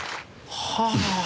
はあ。